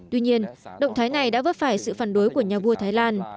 tuy nhiên động thái này đã vấp phải sự phản đối của nhà vua thái lan